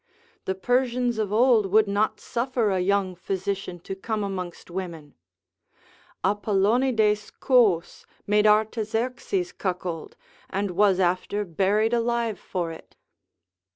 The Persians of old would not suffer a young physician to come amongst women. Apollonides Cous made Artaxerxes cuckold, and was after buried alive for it.